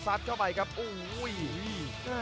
เข้าไปครับโอ้โห